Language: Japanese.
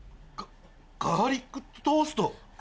ガガーリックトースト！？